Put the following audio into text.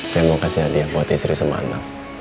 saya mau kasih hadiah buat istri sama anak